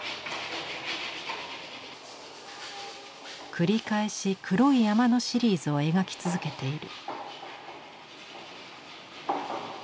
繰り返し黒い山のシリーズを描き続けている。